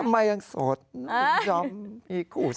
ทำไมยังสดไม่จำพี่ขู่สี